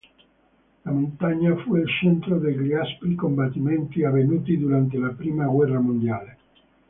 La montagna fu al centro degli aspri combattimenti avvenuti durante la prima guerra mondiale.